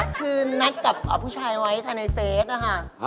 ก็แค่น่าจะนัดกับผู้ชายไว้ในเฟสนะคะ